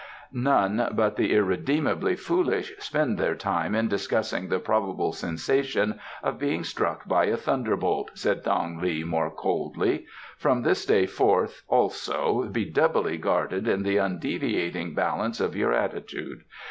"None but the irredeemably foolish spend their time in discussing the probable sensation of being struck by a thunderbolt," said Thang li more coldly. "From this day forth, also, be doubly guarded in the undeviating balance of your attitude.